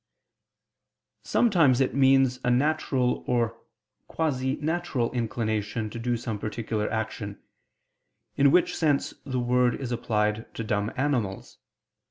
Sometimes it means a natural or quasi natural inclination to do some particular action, in which sense the word is applied to dumb animals.